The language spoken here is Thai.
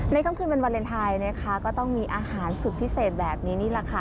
ในคำคืนบรรเวอร์เวนไทยก็ต้องมีอาหารสุดพิเศษแบบนี้นี่แหละค่ะ